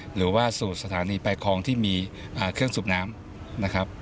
หรือว่าสู่สถานีปลายคลองที่มีเครื่องสูบน้ำนะครับ